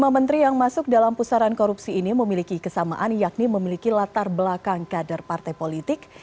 lima menteri yang masuk dalam pusaran korupsi ini memiliki kesamaan yakni memiliki latar belakang kader partai politik